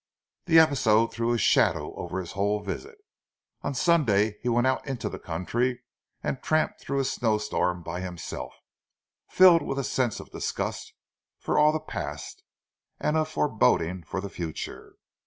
The episode threw a shadow over his whole visit. On Sunday he went out into the country and tramped through a snowstorm by himself, filled with a sense of disgust for all the past, and of foreboding for the future.